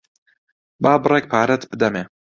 با بڕێک پارەت بدەمێ.